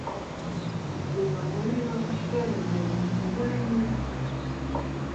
Zima mulilo twene bebya ubulimi.